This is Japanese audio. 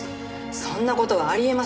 そんな事はありえません。